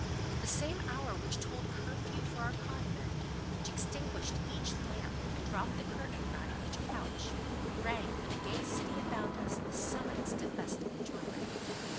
The same hour which tolled curfew for our convent, which extinguished each lamp, and dropped the curtain round each couch, rang for the gay city about us the summons to festal enjoyment.